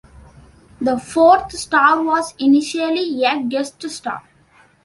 The fourth star was initially a guest star.